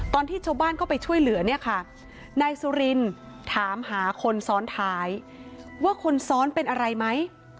ตอนที่ชาวบ้านเข้าไปช่วยเหลือเนี่ยค่ะนายสุรินถามหาคนซ้อนท้ายว่าคนซ้อนเป็นอะไรไหม